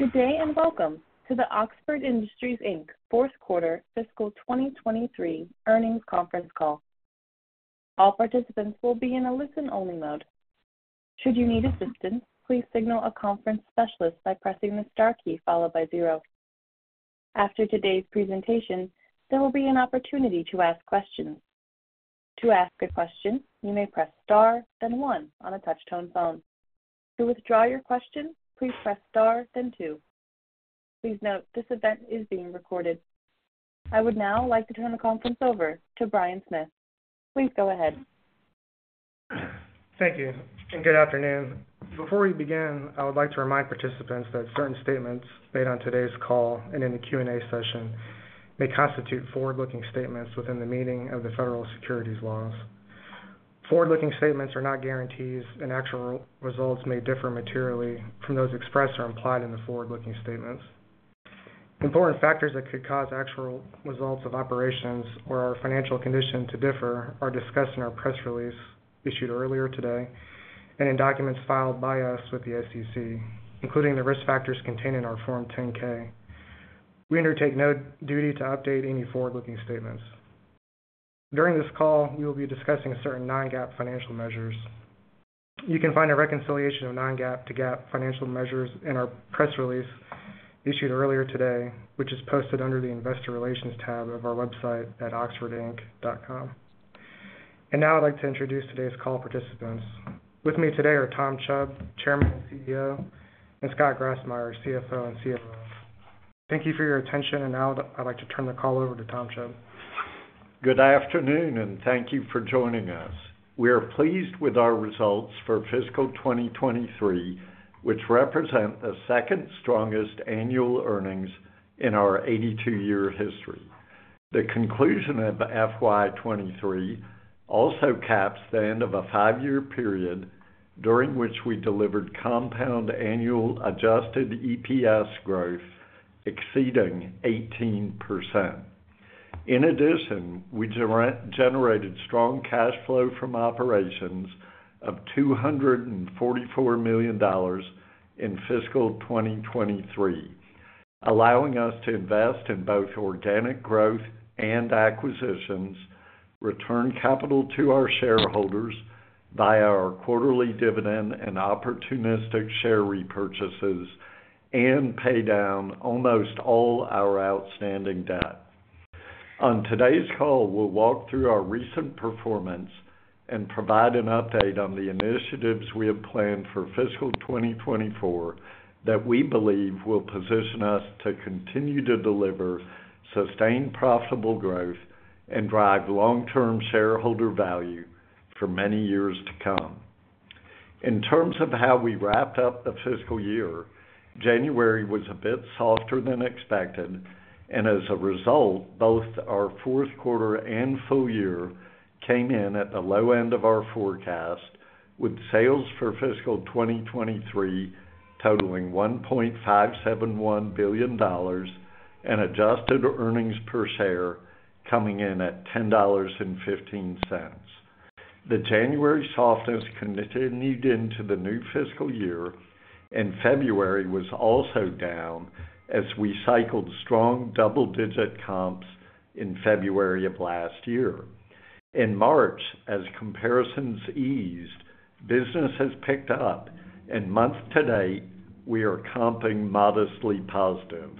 Good day, and welcome to the Oxford Industries, Inc fourth quarter fiscal 2023 earnings conference call. All participants will be in a listen-only mode. Should you need assistance, please signal a conference specialist by pressing the star key followed by zero. After today's presentation, there will be an opportunity to ask questions. To ask a question, you may press star, then one on a touch-tone phone. To withdraw your question, please press star, then two. Please note, this event is being recorded. I would now like to turn the conference over to Brian Smith. Please go ahead. Thank you, and good afternoon. Before we begin, I would like to remind participants that certain statements made on today's call and in the Q&A session may constitute forward-looking statements within the meaning of the federal securities laws. Forward-looking statements are not guarantees, and actual results may differ materially from those expressed or implied in the forward-looking statements. Important factors that could cause actual results of operations or our financial condition to differ are discussed in our press release issued earlier today, and in documents filed by us with the SEC, including the risk factors contained in our Form 10-K. We undertake no duty to update any forward-looking statements. During this call, we will be discussing certain non-GAAP financial measures. You can find a reconciliation of non-GAAP to GAAP financial measures in our press release issued earlier today, which is posted under the Investor Relations tab of our website at oxfordinc.com. Now I'd like to introduce today's call participants. With me today are Tom Chubb, Chairman and CEO, and Scott Grassmyer, CFO and COO. Thank you for your attention, and now I'd like to turn the call over to Tom Chubb. Good afternoon, and thank you for joining us. We are pleased with our results for fiscal 2023, which represent the second strongest annual earnings in our 82-year history. The conclusion of FY 2023 also caps the end of a five-year period during which we delivered compound annual adjusted EPS growth exceeding 18%. In addition, we generated strong cash flow from operations of $244 million in fiscal 2023, allowing us to invest in both organic growth and acquisitions, return capital to our shareholders via our quarterly dividend and opportunistic share repurchases, and pay down almost all our outstanding debt. On today's call, we'll walk through our recent performance and provide an update on the initiatives we have planned for fiscal 2024, that we believe will position us to continue to deliver sustained, profitable growth and drive long-term shareholder value for many years to come. In terms of how we wrapped up the fiscal year, January was a bit softer than expected, and as a result, both our fourth quarter and full year came in at the low end of our forecast, with sales for fiscal 2023 totaling $1.571 billion, and adjusted earnings per share coming in at $10.15. The January softness continued into the new fiscal year, and February was also down as we cycled strong double-digit comps in February of last year. In March, as comparisons eased, business has picked up, and month to date, we are comping modestly positive.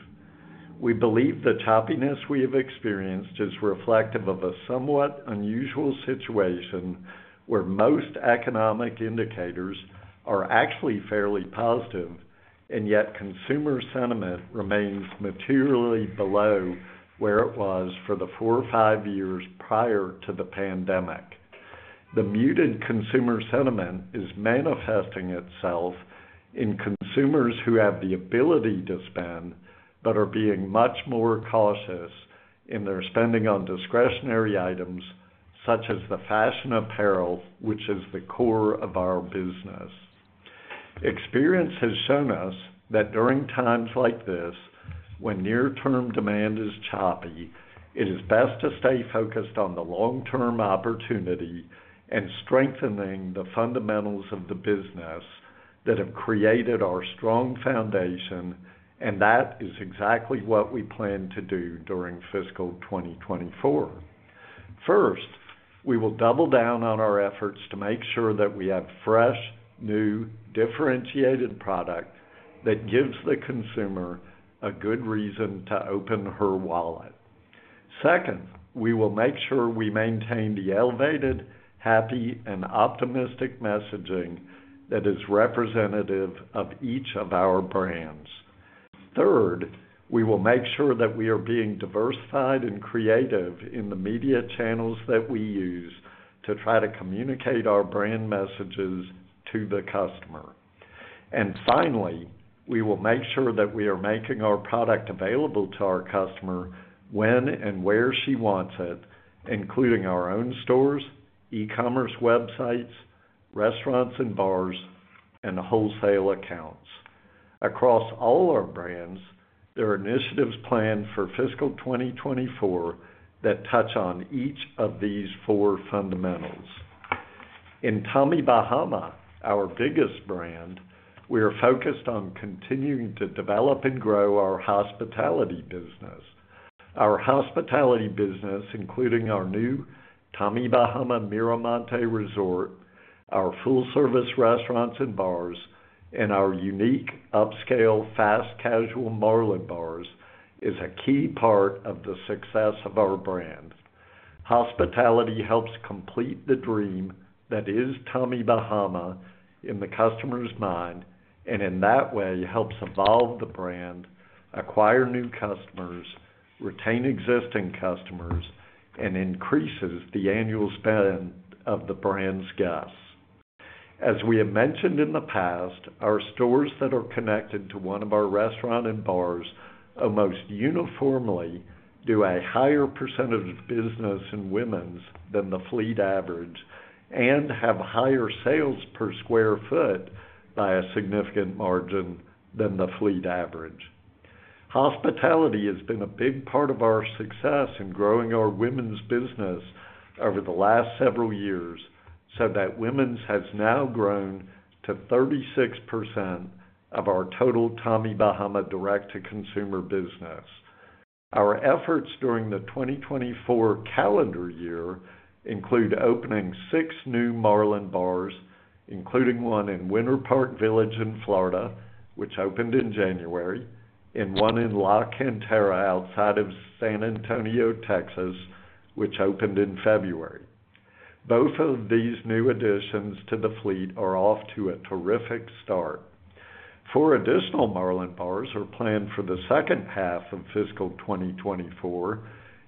We believe the choppiness we have experienced is reflective of a somewhat unusual situation, where most economic indicators are actually fairly positive, and yet consumer sentiment remains materially below where it was for the four or five years prior to the pandemic. The muted consumer sentiment is manifesting itself in consumers who have the ability to spend, but are being much more cautious in their spending on discretionary items such as the fashion apparel, which is the core of our business. Experience has shown us that during times like this, when near-term demand is choppy, it is best to stay focused on the long-term opportunity and strengthening the fundamentals of the business that have created our strong foundation, and that is exactly what we plan to do during fiscal 2024. First, we will double down on our efforts to make sure that we have fresh, new, differentiated product that gives the consumer a good reason to open her wallet. Second, we will make sure we maintain the elevated, happy, and optimistic messaging that is representative of each of our brands. Third, we will make sure that we are being diversified and creative in the media channels that we use to try to communicate our brand messages to the customer. And finally, we will make sure that we are making our product available to our customer when and where she wants it, including our own stores, e-commerce websites, restaurants and bars, and wholesale accounts. Across all our brands, there are initiatives planned for fiscal 2024 that touch on each of these four fundamentals. In Tommy Bahama, our biggest brand, we are focused on continuing to develop and grow our hospitality business. Our hospitality business, including our new Tommy Bahama Miramonte Resort, our full-service restaurants and bars, and our unique, upscale, fast-casual Marlin Bars, is a key part of the success of our brand. Hospitality helps complete the dream that is Tommy Bahama in the customer's mind, and in that way, helps evolve the brand, acquire new customers, retain existing customers, and increases the annual spend of the brand's guests. As we have mentioned in the past, our stores that are connected to one of our restaurant and bars, almost uniformly do a higher percentage of business in women's than the fleet average, and have higher sales per square foot by a significant margin than the fleet average. Hospitality has been a big part of our success in growing our women's business over the last several years, so that women's has now grown to 36% of our total Tommy Bahama direct-to-consumer business. Our efforts during the 2024 calendar year include opening six new Marlin Bars, including one in Winter Park Village in Florida, which opened in January, and one in La Cantera, outside of San Antonio, Texas, which opened in February. Both of these new additions to the fleet are off to a terrific start. Four additional Marlin Bars are planned for the second half of fiscal 2024,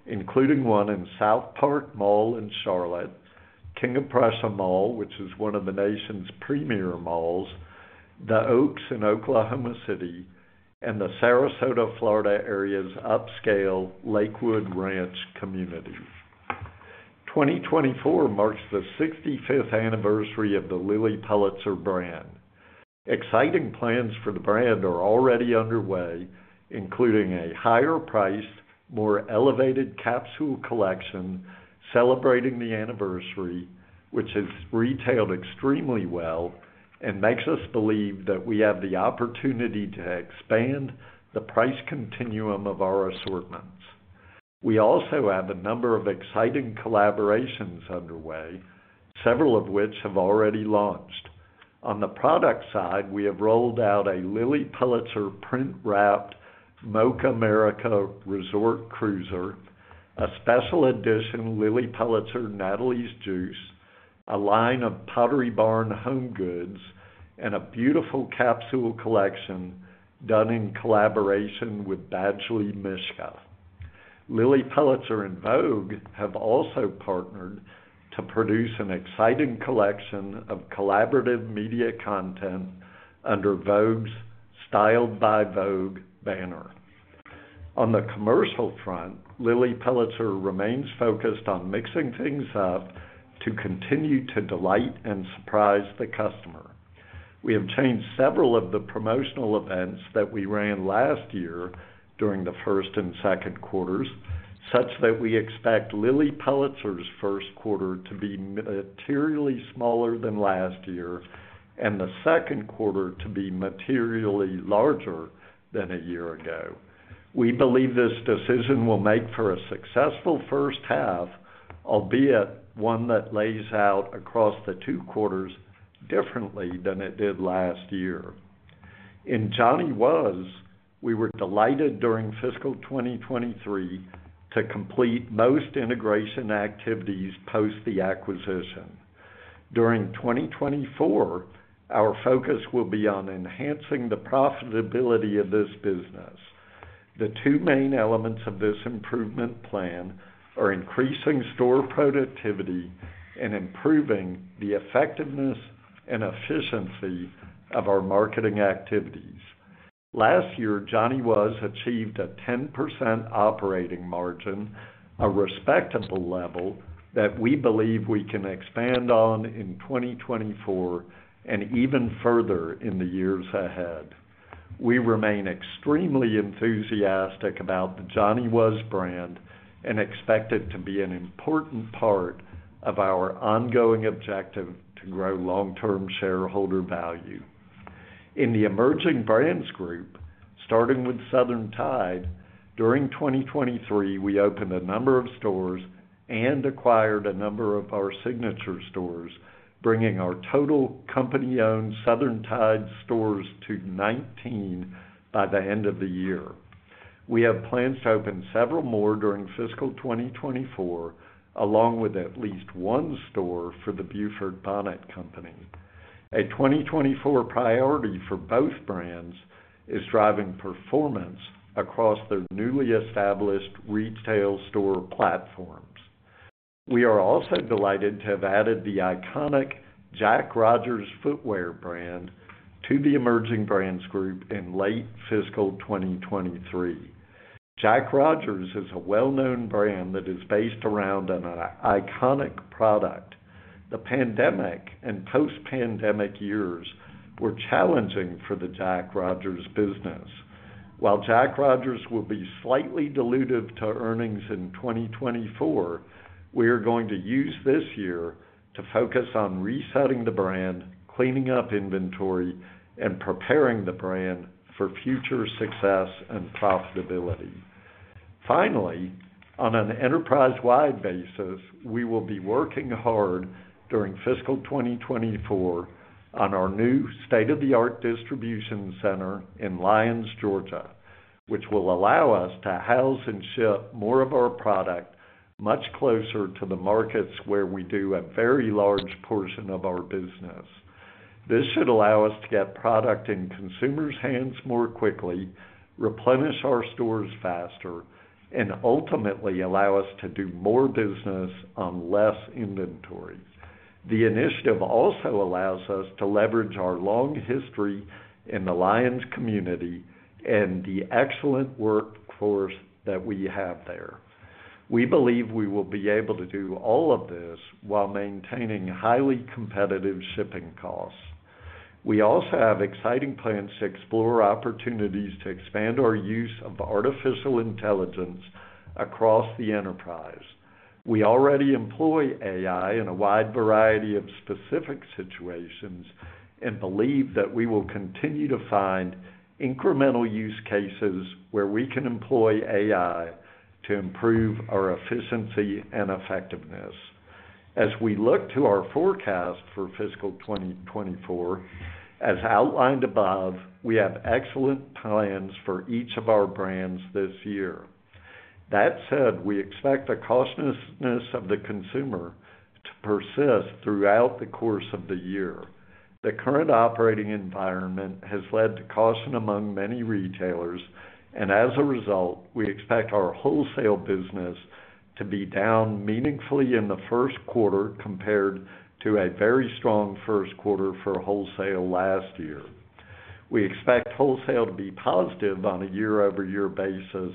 including one in SouthPark Mall in Charlotte, King of Prussia Mall, which is one of the nation's premier malls, the OAK in Oklahoma City, and the Sarasota, Florida area's upscale Lakewood Ranch community. 2024 marks the 65th anniversary of the Lilly Pulitzer brand. Exciting plans for the brand are already underway, including a higher priced, more elevated capsule collection celebrating the anniversary, which has retailed extremely well and makes us believe that we have the opportunity to expand the price continuum of our assortments. We also have a number of exciting collaborations underway, several of which have already launched. On the product side, we have rolled out a Lilly Pulitzer print-wrapped Moke America resort cruiser, a special edition, Lilly Pulitzer, Natalie's Juice, a line of Pottery Barn home goods, and a beautiful capsule collection done in collaboration with Badgley Mischka. Lilly Pulitzer and Vogue have also partnered to produce an exciting collection of collaborative media content under Vogue's Styled by Vogue banner. On the commercial front, Lilly Pulitzer remains focused on mixing things up to continue to delight and surprise the customer. We have changed several of the promotional events that we ran last year during the first and second quarters, such that we expect Lilly Pulitzer's first quarter to be materially smaller than last year, and the second quarter to be materially larger than a year ago. We believe this decision will make for a successful first half, albeit one that lays out across the two quarters differently than it did last year. In Johnny Was, we were delighted during fiscal 2023 to complete most integration activities post the acquisition. During 2024, our focus will be on enhancing the profitability of this business. The two main elements of this improvement plan are increasing store productivity and improving the effectiveness and efficiency of our marketing activities. Last year, Johnny Was achieved a 10% operating margin, a respectable level that we believe we can expand on in 2024 and even further in the years ahead. We remain extremely enthusiastic about the Johnny Was brand and expect it to be an important part of our ongoing objective to grow long-term shareholder value. In the Emerging Brands Group, starting with Southern Tide, during 2023, we opened a number of stores and acquired a number of our signature stores, bringing our total company-owned Southern Tide stores to 19 by the end of the year. We have plans to open several more during fiscal 2024, along with at least one store for the Beaufort Bonnet Company. A 2024 priority for both brands is driving performance across their newly established retail store platforms. We are also delighted to have added the iconic Jack Rogers footwear brand to the Emerging Brands Group in late fiscal 2023. Jack Rogers is a well-known brand that is based around on an iconic product. The pandemic and post-pandemic years were challenging for the Jack Rogers business. While Jack Rogers will be slightly dilutive to earnings in 2024, we are going to use this year to focus on resetting the brand, cleaning up inventory, and preparing the brand for future success and profitability. Finally, on an enterprise-wide basis, we will be working hard during fiscal 2024 on our new state-of-the-art distribution center in Lyons, Georgia, which will allow us to house and ship more of our product much closer to the markets where we do a very large portion of our business. This should allow us to get product in consumers' hands more quickly, replenish our stores faster, and ultimately allow us to do more business on less inventory. The initiative also allows us to leverage our long history in the Lyons community and the excellent workforce that we have there. We believe we will be able to do all of this while maintaining highly competitive shipping costs. We also have exciting plans to explore opportunities to expand our use of artificial intelligence across the enterprise. We already employ AI in a wide variety of specific situations and believe that we will continue to find incremental use cases where we can employ AI to improve our efficiency and effectiveness. As we look to our forecast for fiscal 2024, as outlined above, we have excellent plans for each of our brands this year. That said, we expect the cautiousness of the consumer to persist throughout the course of the year. The current operating environment has led to caution among many retailers, and as a result, we expect our wholesale business to be down meaningfully in the first quarter compared to a very strong first quarter for wholesale last year. We expect wholesale to be positive on a year-over-year basis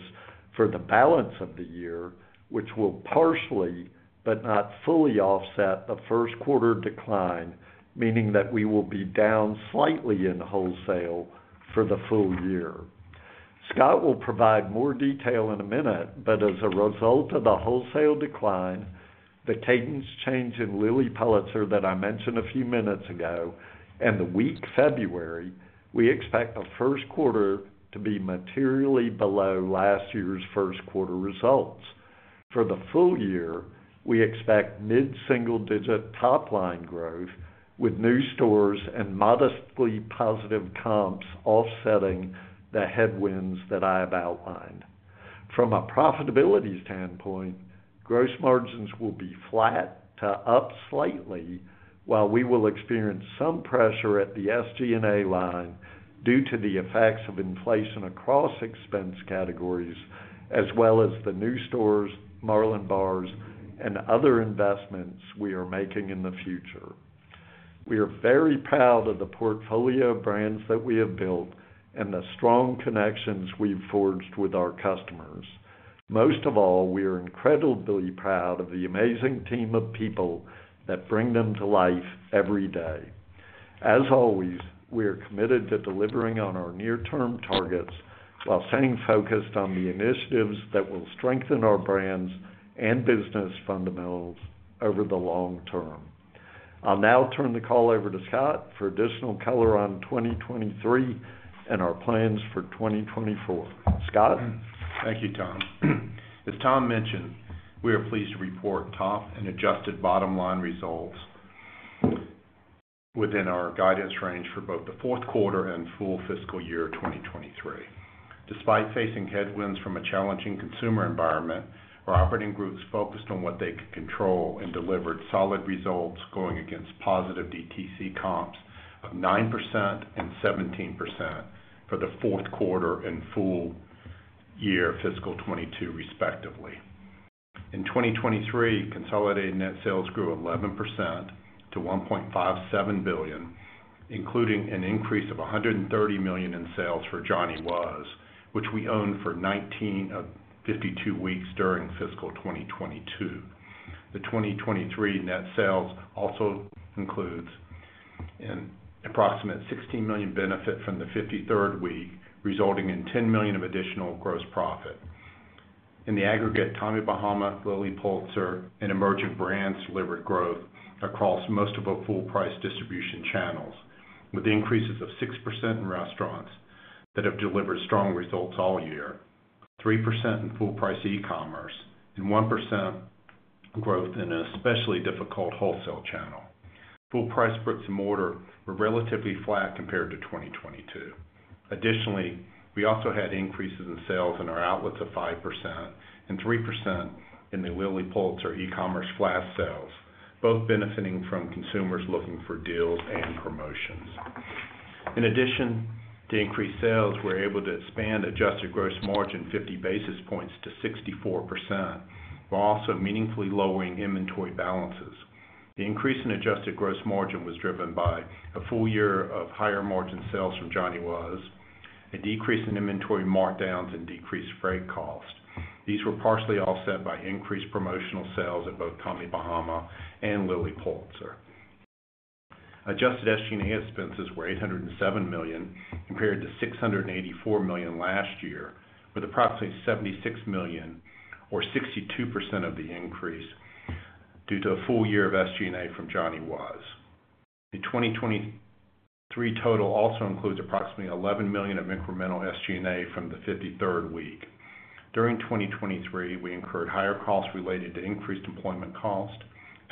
for the balance of the year, which will partially, but not fully offset the first quarter decline, meaning that we will be down slightly in wholesale for the full year. Scott will provide more detail in a minute, but as a result of the wholesale decline, the cadence change in Lilly Pulitzer that I mentioned a few minutes ago, and the weak February, we expect the first quarter to be materially below last year's first quarter results. For the full year, we expect mid-single-digit top-line growth, with new stores and modestly positive comps offsetting the headwinds that I have outlined. From a profitability standpoint, gross margins will be flat to up slightly, while we will experience some pressure at the SG&A line due to the effects of inflation across expense categories, as well as the new stores, Marlin Bars, and other investments we are making in the future. We are very proud of the portfolio of brands that we have built and the strong connections we've forged with our customers. Most of all, we are incredibly proud of the amazing team of people that bring them to life every day. As always, we are committed to delivering on our near-term targets while staying focused on the initiatives that will strengthen our brands and business fundamentals over the long term. I'll now turn the call over to Scott for additional color on 2023 and our plans for 2024. Scott? Thank you, Tom. As Tom mentioned, we are pleased to report top and adjusted bottom-line results within our guidance range for both the fourth quarter and full fiscal year 2023. Despite facing headwinds from a challenging consumer environment, our operating groups focused on what they could control and delivered solid results, going against positive DTC comps of 9% and 17% for the fourth quarter and full year fiscal 2022, respectively. In 2023, consolidated net sales grew 11% to $1.57 billion, including an increase of $130 million in sales for Johnny Was, which we owned for 19 of 52 weeks during fiscal 2022. The 2023 net sales also includes an approximate $16 million benefit from the 53rd week, resulting in $10 million of additional gross profit. In the aggregate, Tommy Bahama, Lilly Pulitzer, and Emerging Brands delivered growth across most of our full price distribution channels, with increases of 6% in restaurants that have delivered strong results all year, 3% in full price e-commerce, and 1% growth in an especially difficult wholesale channel. Full price bricks and mortar were relatively flat compared to 2022. Additionally, we also had increases in sales in our outlets of 5% and 3% in the Lilly Pulitzer e-commerce flash sales, both benefiting from consumers looking for deals and promotions. In addition to increased sales, we're able to expand adjusted gross margin 50 basis points to 64%, while also meaningfully lowering inventory balances. The increase in adjusted gross margin was driven by a full year of higher margin sales from Johnny Was, a decrease in inventory markdowns, and decreased freight costs. These were partially offset by increased promotional sales at both Tommy Bahama and Lilly Pulitzer. Adjusted SG&A expenses were $807 million, compared to $684 million last year, with approximately $76 million, or 62% of the increase, due to a full year of SG&A from Johnny Was. The 2023 total also includes approximately $11 million of incremental SG&A from the 53rd week. During 2023, we incurred higher costs related to increased employment costs,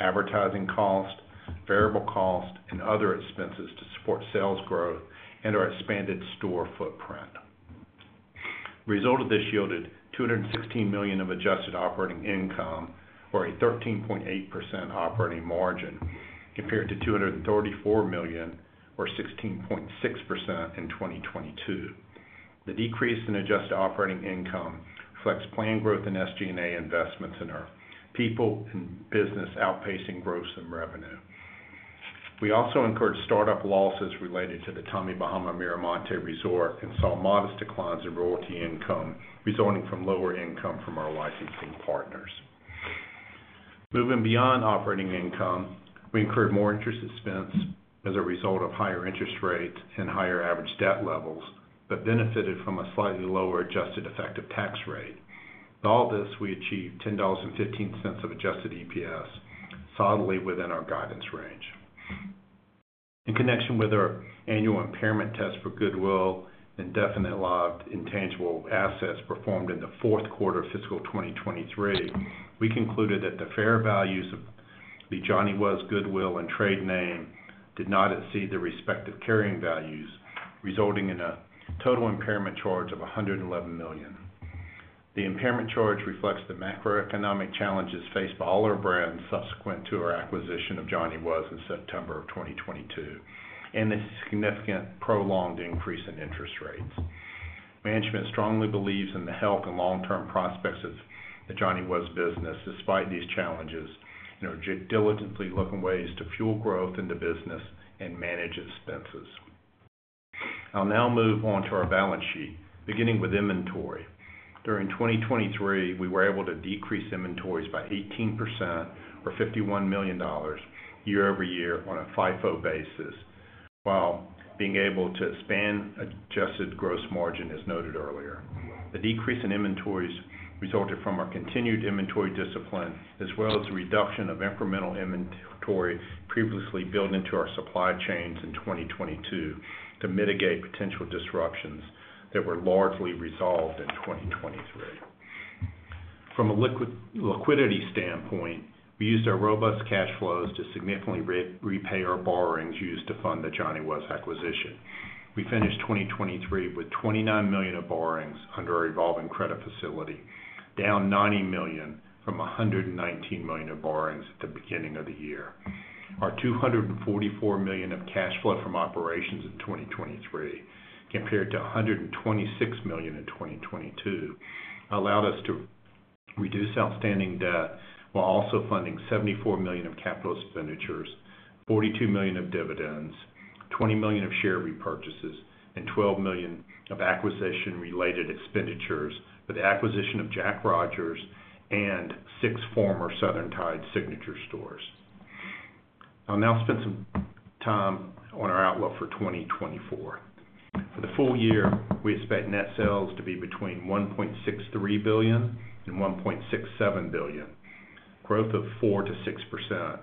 advertising costs, variable costs, and other expenses to support sales growth and our expanded store footprint. Result of this yielded $216 million of adjusted operating income, or a 13.8% operating margin, compared to $234 million, or 16.6% in 2022. The decrease in adjusted operating income reflects planned growth in SG&A investments in our people and business, outpacing gross and revenue. We also incurred startup losses related to the Tommy Bahama Miramonte Resort and saw modest declines in royalty income, resulting from lower income from our licensing partners. Moving beyond operating income, we incurred more interest expense as a result of higher interest rates and higher average debt levels, but benefited from a slightly lower adjusted effective tax rate. With all this, we achieved $10.15 of adjusted EPS, solidly within our guidance range. In connection with our annual impairment test for goodwill and definite-lived intangible assets performed in the fourth quarter of fiscal 2023, we concluded that the fair values of the Johnny Was goodwill and trade name did not exceed the respective carrying values, resulting in a total impairment charge of $111 million. The impairment charge reflects the macroeconomic challenges faced by all our brands subsequent to our acquisition of Johnny Was in September of 2022, and the significant prolonged increase in interest rates. Management strongly believes in the health and long-term prospects of the Johnny Was business, despite these challenges, and are diligently looking for ways to fuel growth in the business and manage expenses. I'll now move on to our balance sheet, beginning with inventory. During 2023, we were able to decrease inventories by 18%, or $51 million, year-over-year on a FIFO basis, while being able to expand adjusted gross margin, as noted earlier. The decrease in inventories resulted from our continued inventory discipline, as well as reduction of incremental inventory previously built into our supply chains in 2022 to mitigate potential disruptions that were largely resolved in 2023. From a liquidity standpoint, we used our robust cash flows to significantly repay our borrowings used to fund the Johnny Was acquisition. We finished 2023 with $29 million of borrowings under our revolving credit facility, down $90 million from $119 million of borrowings at the beginning of the year. Our $244 million of cash flow from operations in 2023, compared to $126 million in 2022, allowed us to reduce outstanding debt while also funding $74 million of capital expenditures, $42 million of dividends, $20 million of share repurchases, and $12 million of acquisition-related expenditures for the acquisition of Jack Rogers and six former Southern Tide signature stores. I'll now spend some time on our outlook for 2024. For the full year, we expect net sales to be between $1.63 billion and $1.67 billion, growth of 4%-6%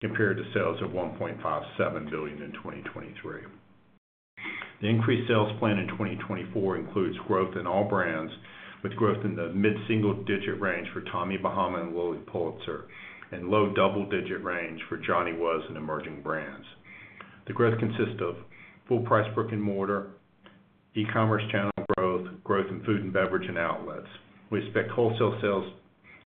compared to sales of $1.57 billion in 2023. The increased sales plan in 2024 includes growth in all brands, with growth in the mid-single-digit range for Tommy Bahama and Lilly Pulitzer, and low double-digit range for Johnny Was and Emerging Brands. The growth consists of full price brick-and-mortar, e-commerce channel growth, growth in food and beverage and outlets. We expect wholesale sales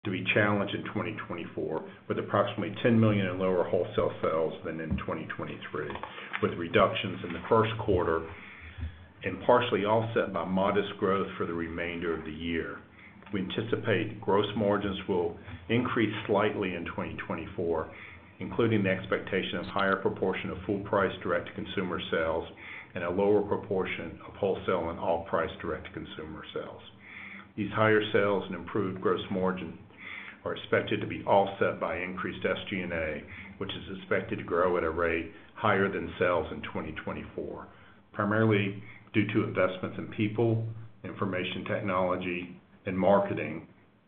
to be challenged in 2024, with approximately $10 million in lower wholesale sales than in 2023, with reductions in the first quarter and partially offset by modest growth for the remainder of the year. We anticipate gross margins will increase slightly in 2024, including the expectation of higher proportion of full price direct-to-consumer sales and a lower proportion of wholesale and off-price direct-to-consumer sales. These higher sales and improved gross margin are expected to be offset by increased SG&A, which is expected to grow at a rate higher than sales in 2024, primarily due to investments in people, information technology, and marketing,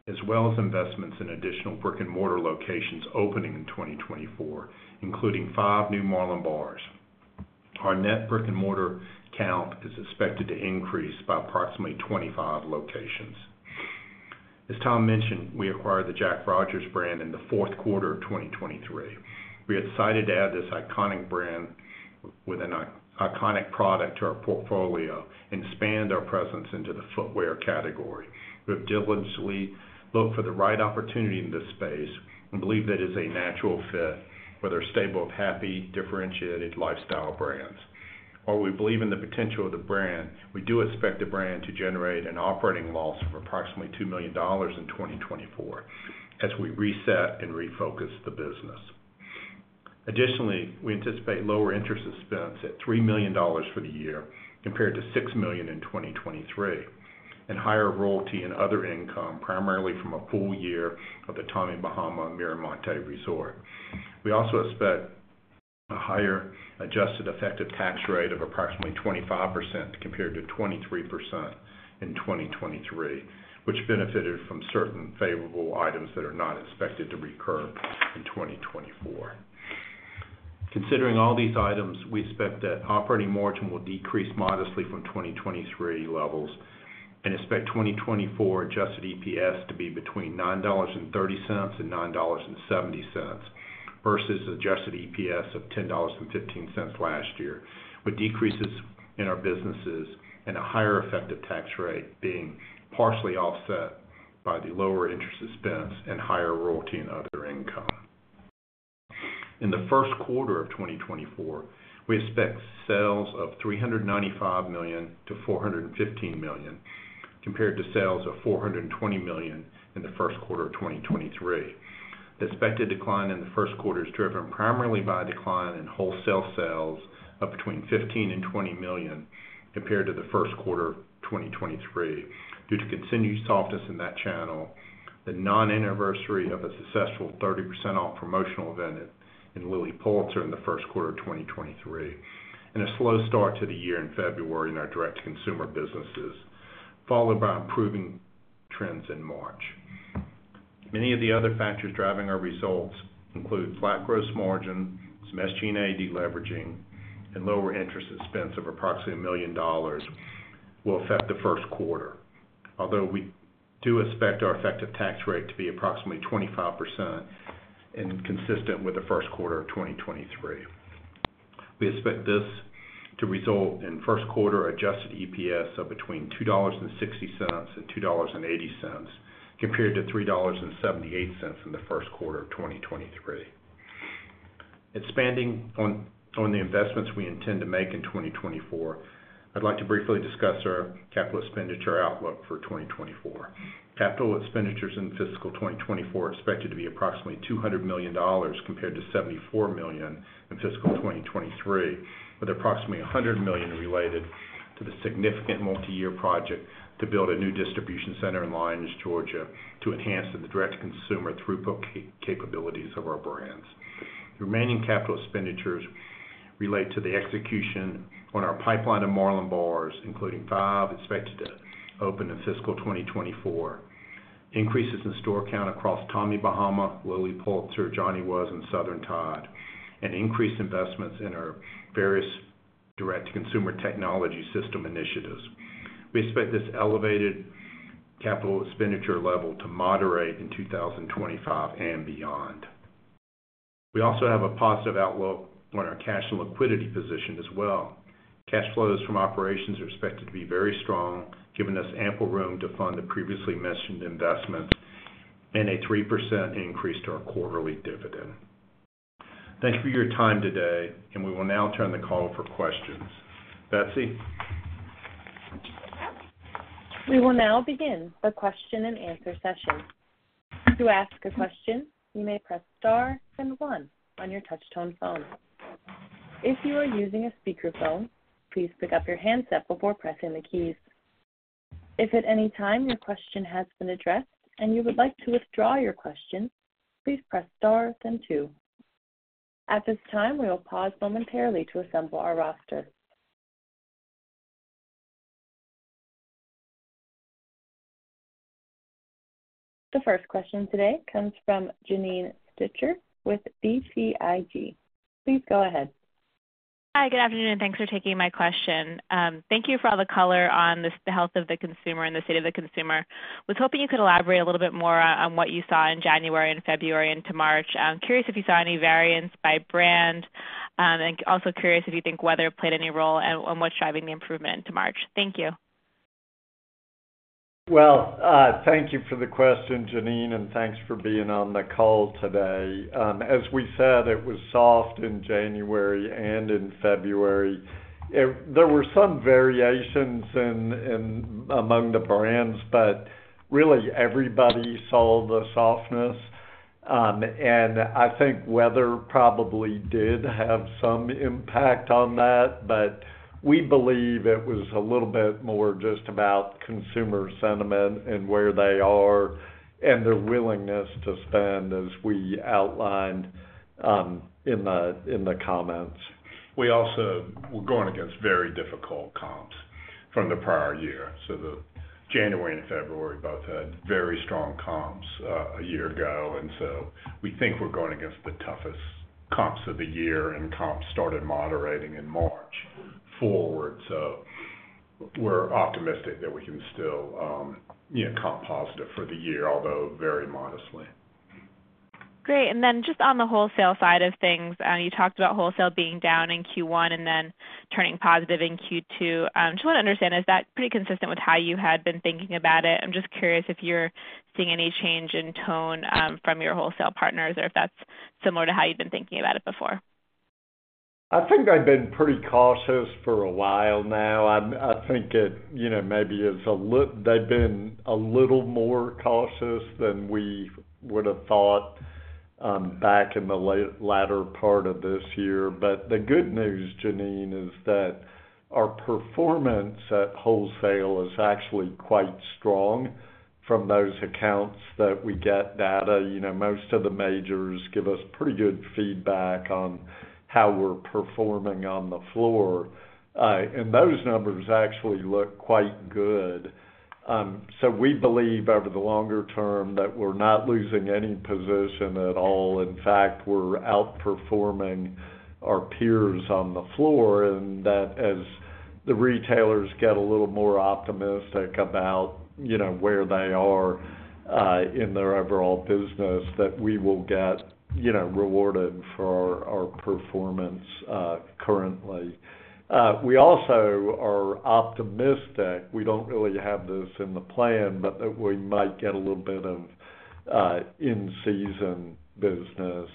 as well as investments in additional brick-and-mortar locations opening in 2024, including five new Marlin Bars. Our net brick-and-mortar count is expected to increase by approximately 25 locations. As Tom mentioned, we acquired the Jack Rogers brand in the fourth quarter of 2023. We are excited to add this iconic brand with an iconic product to our portfolio and expand our presence into the footwear category. We have diligently looked for the right opportunity in this space and believe that it's a natural fit for their stable of happy, differentiated lifestyle brands. While we believe in the potential of the brand, we do expect the brand to generate an operating loss of approximately $2 million in 2024 as we reset and refocus the business. Additionally, we anticipate lower interest expense at $3 million for the year, compared to $6 million in 2023, and higher royalty and other income, primarily from a full year of the Tommy Bahama Miramonte Resort. We also expect a higher adjusted effective tax rate of approximately 25%, compared to 23% in 2023, which benefited from certain favorable items that are not expected to recur in 2024. Considering all these items, we expect that operating margin will decrease modestly from 2023 levels and expect 2024 adjusted EPS to be between $9.30 and $9.70, versus adjusted EPS of $10.15 last year, with decreases in our businesses and a higher effective tax rate being partially offset by the lower interest expense and higher royalty and other income. In the first quarter of 2024, we expect sales of $395 million-$415 million, compared to sales of $420 million in the first quarter of 2023. The expected decline in the first quarter is driven primarily by a decline in wholesale sales of between $15 million-$20 million, compared to the first quarter of 2023, due to continued softness in that channel, the non-anniversary of a successful 30% off promotional event in Lilly Pulitzer in the first quarter of 2023, and a slow start to the year in February in our direct-to-consumer businesses, followed by improving trends in March. Many of the other factors driving our results include flat gross margin, some SG&A deleveraging, and lower interest expense of approximately $1 million will affect the first quarter. Although we do expect our effective tax rate to be approximately 25% and consistent with the first quarter of 2023. We expect this to result in first quarter adjusted EPS of between $2.60 and $2.80, compared to $3.78 in the first quarter of 2023. Expanding on the investments we intend to make in 2024, I'd like to briefly discuss our capital expenditure outlook for 2024. Capital expenditures in fiscal 2024 are expected to be approximately $200 million, compared to $74 million in fiscal 2023, with approximately $100 million related to the significant multiyear project to build a new distribution center in Lyons, Georgia, to enhance the direct-to-consumer throughput capabilities of our brands. The remaining capital expenditures relate to the execution on our pipeline of Marlin Bars, including five expected to open in fiscal 2024. Increases in store count across Tommy Bahama, Lilly Pulitzer, Johnny Was, and Southern Tide, and increased investments in our various direct-to-consumer technology system initiatives. We expect this elevated capital expenditure level to moderate in 2025 and beyond. We also have a positive outlook on our cash and liquidity position as well. Cash flows from operations are expected to be very strong, giving us ample room to fund the previously mentioned investments and a 3% increase to our quarterly dividend. Thank you for your time today, and we will now turn the call for questions. Betsy? We will now begin the question and answer session. To ask a question, you may press star then one on your touch-tone phone. If you are using a speakerphone, please pick up your handset before pressing the keys. If at any time your question has been addressed and you would like to withdraw your question, please press star then two. At this time, we will pause momentarily to assemble our roster. The first question today comes from Janine Stichter with BTIG. Please go ahead. Hi, good afternoon, and thanks for taking my question. Thank you for all the color on the health of the consumer and the state of the consumer. Was hoping you could elaborate a little bit more on, on what you saw in January and February into March. I'm curious if you saw any variance by brand, and also curious if you think weather played any role and what's driving the improvement into March. Thank you. Well, thank you for the question, Janine, and thanks for being on the call today. As we said, it was soft in January and in February. There were some variations in among the brands, but really, everybody saw the softness. And I think weather probably did have some impact on that, but we believe it was a little bit more just about consumer sentiment and where they are and their willingness to spend, as we outlined in the comments. We're going against very difficult comps from the prior year. So the January and February both had very strong comps a year ago, and so we think we're going against the toughest comps of the year, and comps started moderating in March forward. So we're optimistic that we can still, you know, comp positive for the year, although very modestly. Great. And then just on the wholesale side of things, you talked about wholesale being down in Q1 and then turning positive in Q2. Just want to understand, is that pretty consistent with how you had been thinking about it? I'm just curious if you're seeing any change in tone, from your wholesale partners or if that's similar to how you've been thinking about it before. I think they've been pretty cautious for a while now. I think they've been a little more cautious than we would've thought back in the latter part of this year. But the good news, Janine, is that our performance at wholesale is actually quite strong from those accounts that we get data. You know, most of the majors give us pretty good feedback on how we're performing on the floor. And those numbers actually look quite good. So we believe over the longer term that we're not losing any position at all. In fact, we're outperforming our peers on the floor, and that as the retailers get a little more optimistic about, you know, where they are in their overall business, that we will get, you know, rewarded for our performance currently. We also are optimistic. We don't really have this in the plan, but that we might get a little bit of, in-season business.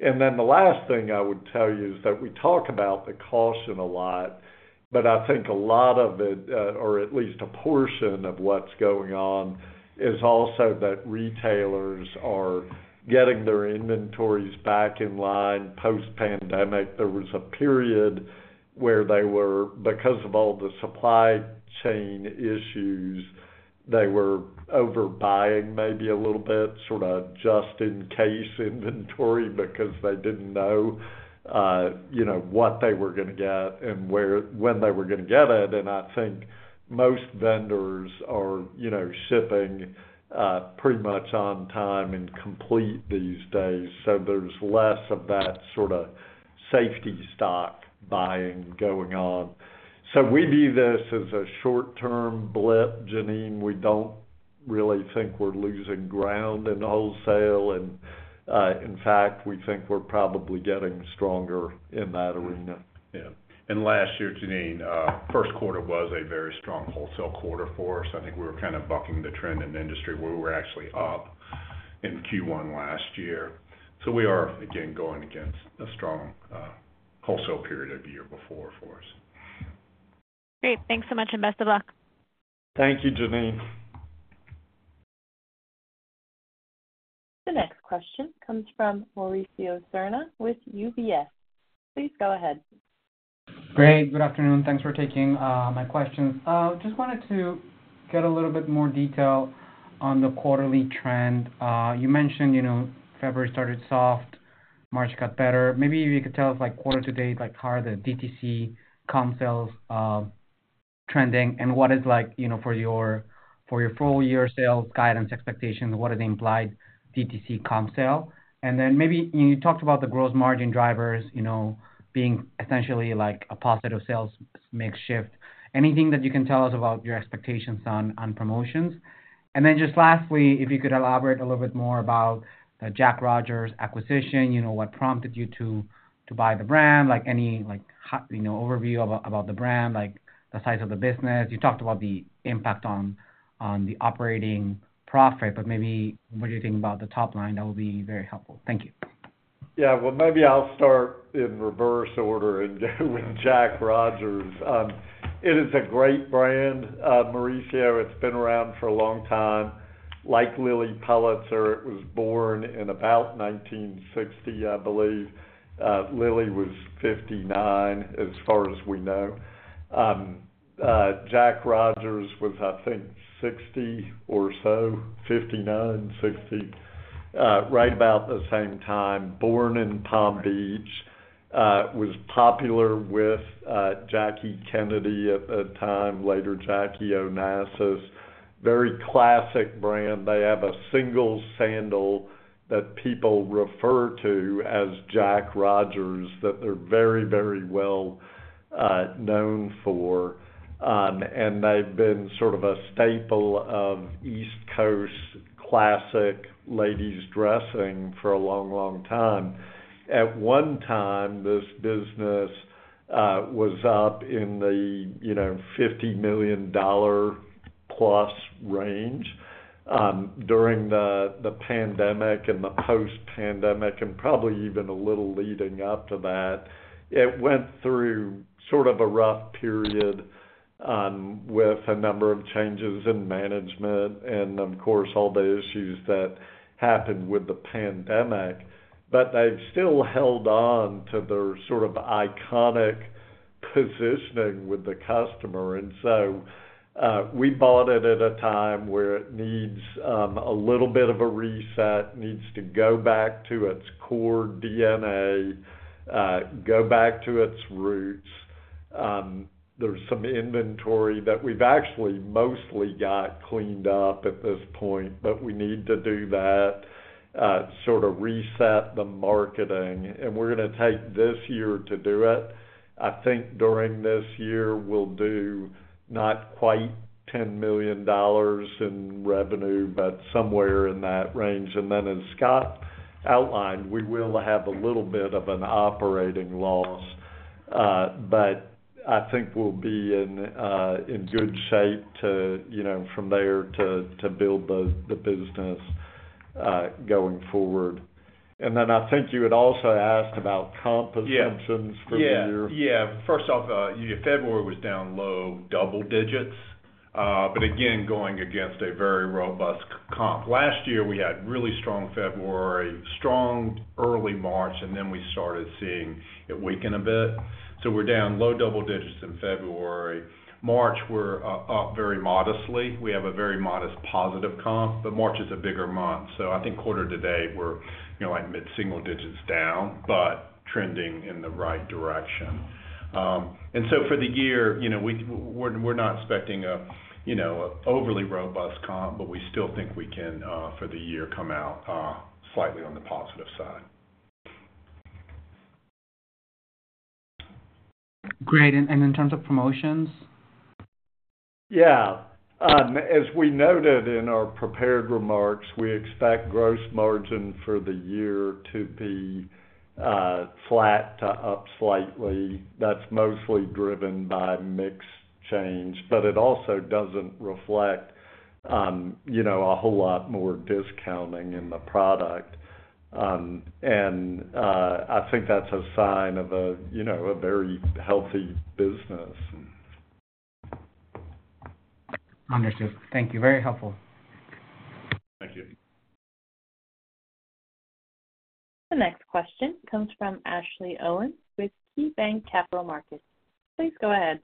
And then the last thing I would tell you is that we talk about the caution a lot, but I think a lot of it, or at least a portion of what's going on, is also that retailers are getting their inventories back in line post-pandemic. There was a period where they were, because of all the supply chain issues, they were overbuying maybe a little bit, sort of just-in-case inventory, because they didn't know, you know, what they were gonna get and where, when they were gonna get it. And I think most vendors are, you know, shipping, pretty much on time and complete these days, so there's less of that sort of safety stock buying going on. We view this as a short-term blip, Janine. We don't really think we're losing ground in wholesale, and in fact, we think we're probably getting stronger in that arena. Yeah. Last year, Janine, first quarter was a very strong wholesale quarter for us. I think we were kind of bucking the trend in the industry where we were actually up in Q1 last year. So we are, again, going against a strong wholesale period a year before for us. Great. Thanks so much, and best of luck. Thank you, Janine. The next question comes from Mauricio Serna with UBS. Please go ahead. Great. Good afternoon. Thanks for taking my questions. Just wanted to get a little bit more detail on the quarterly trend. You mentioned, you know, February started soft, March got better. Maybe you could tell us, like, quarter to date, like, how are the DTC comp sales trending, and what is like, you know, for your, for your full year sales guidance expectations, what are the implied DTC comp sale? And then maybe you talked about the gross margin drivers, you know, being essentially like a positive sales mix shift. Anything that you can tell us about your expectations on, on promotions? And then just lastly, if you could elaborate a little bit more about the Jack Rogers acquisition. You know, what prompted you to, to buy the brand? Like, any, like, hot, you know, overview about, about the brand, like the size of the business. You talked about the impact on the operating profit, but maybe what do you think about the top line? That would be very helpful. Thank you. Yeah, well, maybe I'll start in reverse order and with Jack Rogers. It is a great brand, Mauricio. It's been around for a long time. Like Lilly Pulitzer, it was born in about 1960, I believe. Lilly was 1959, as far as we know. Jack Rogers was, I think, 1960 or so, 1959, 1960. Right about the same time, born in Palm Beach, was popular with Jackie Kennedy at the time, later Jackie Onassis. Very classic brand. They have a single sandal that people refer to as Jack Rogers that they're very, very well known for. And they've been sort of a staple of East Coast classic ladies' dressing for a long, long time. At one time, this business was up in the, you know, $50 million+ range. During the pandemic and the post-pandemic, and probably even a little leading up to that, it went through sort of a rough period, with a number of changes in management and of course, all the issues that happened with the pandemic. But they've still held on to their sort of iconic positioning with the customer. And so, we bought it at a time where it needs a little bit of a reset, needs to go back to its core DNA, go back to its roots. There's some inventory that we've actually mostly got cleaned up at this point, but we need to do that, sort of reset the marketing, and we're gonna take this year to do it. I think during this year, we'll do not quite $10 million in revenue, but somewhere in that range. And then, as Scott outlined, we will have a little bit of an operating loss, but I think we'll be in good shape to, you know, from there to build the business, going forward. And then I think you had also asked about comp assumptions for the year. Yeah. Yeah. First off, February was down low double digits. But again, going against a very robust comp. Last year, we had really strong February, strong early March, and then we started seeing it weaken a bit. So we're down low double digits in February. March, we're up very modestly. We have a very modest positive comp, but March is a bigger month. So I think quarter to date, we're, you know, like mid-single digits down, but trending in the right direction. And so for the year, you know, we're not expecting, you know, an overly robust comp, but we still think we can for the year come out slightly on the positive side. Great. And in terms of promotions? Yeah. As we noted in our prepared remarks, we expect gross margin for the year to be flat to up slightly. That's mostly driven by mix change, but it also doesn't reflect, you know, a whole lot more discounting in the product. And I think that's a sign of a, you know, a very healthy business. Understood. Thank you. Very helpful. Thank you. The next question comes from Ashley Owens with KeyBanc Capital Markets. Please go ahead.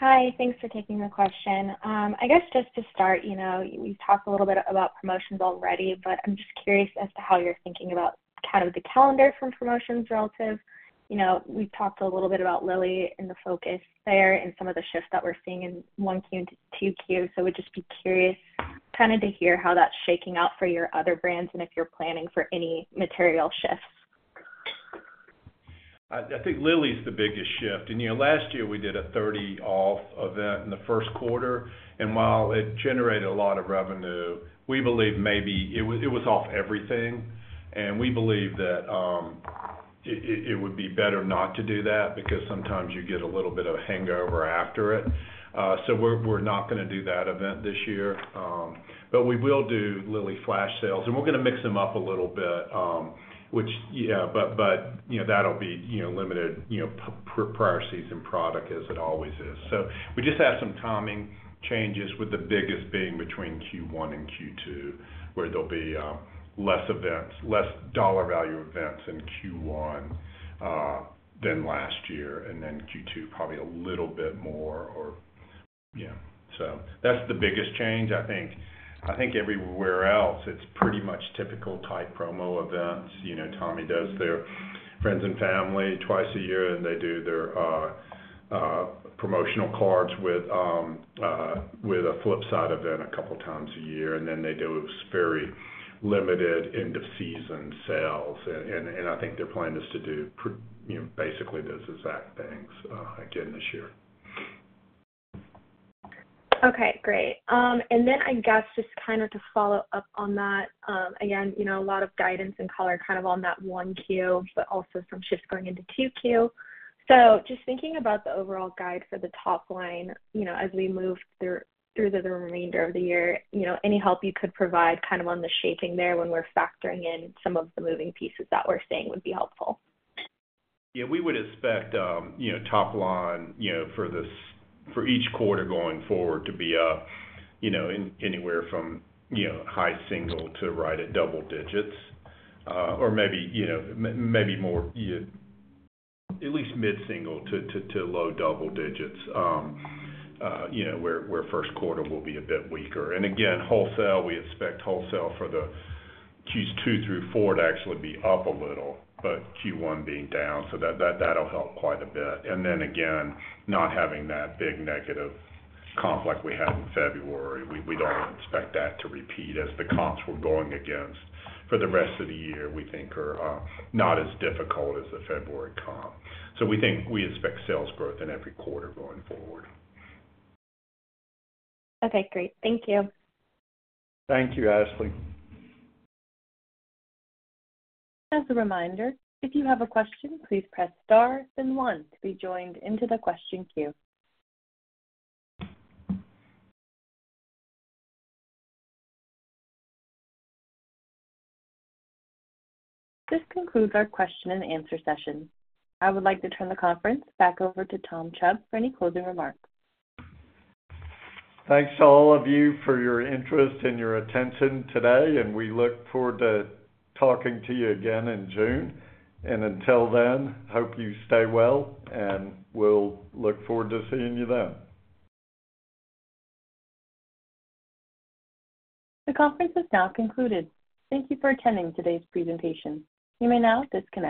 Hi. Thanks for taking the question. I guess just to start, you know, you've talked a little bit about promotions already, but I'm just curious as to how you're thinking about kind of the calendar from promotions relative. You know, we've talked a little bit about Lilly and the focus there and some of the shifts that we're seeing in 1Q into 2Q. So I would just be curious, kind of to hear how that's shaking out for your other brands and if you're planning for any material shifts. I think Lilly's the biggest shift. You know, last year, we did a 30 off event in the first quarter, and while it generated a lot of revenue, we believe maybe it was off everything, and we believe that it would be better not to do that because sometimes you get a little bit of a hangover after it. So we're not gonna do that event this year, but we will do Lilly flash sales, and we're gonna mix them up a little bit, yeah, but, you know, that'll be limited prior season product as it always is. So we just had some timing changes, with the biggest being between Q1 and Q2, where there'll be less events, less dollar value events in Q1 than last year, and then Q2, probably a little bit more. Yeah. So that's the biggest change, I think. I think everywhere else, it's pretty much typical type promo events. You know, Tommy does their friends and family twice a year, and they do their promotional cards with a Flip Side event a couple of times a year, and then they do very limited end of season sales. And I think their plan is to do, you know, basically those exact things again this year. Okay, great. And then I guess just kind of to follow up on that, again, you know, a lot of guidance and color kind of on that 1Q, but also some shifts going into 2Q. So just thinking about the overall guide for the top line, you know, as we move through the remainder of the year, you know, any help you could provide kind of on the shaping there when we're factoring in some of the moving pieces that we're seeing would be helpful. Yeah, we would expect, you know, top line, you know, for this for each quarter going forward to be, you know, anywhere from, you know, high single to right at double digits, or maybe, you know, maybe more, at least mid-single to, to, to low double digits. You know, where, where first quarter will be a bit weaker. And again, wholesale, we expect wholesale for the Qs two through four to actually be up a little, but Q1 being down, so that, that'll help quite a bit. And then again, not having that big negative comp like we had in February, we, we don't expect that to repeat as the comps we're going against for the rest of the year, we think are, not as difficult as the February comp. So we think we expect sales growth in every quarter going forward. Okay, great. Thank you. Thank you, Ashley. As a reminder, if you have a question, please press star then one to be joined into the question queue. This concludes our question and answer session. I would like to turn the conference back over to Tom Chubb for any closing remarks. Thanks to all of you for your interest and your attention today, and we look forward to talking to you again in June. Until then, hope you stay well, and we'll look forward to seeing you then. The conference is now concluded. Thank you for attending today's presentation. You may now disconnect.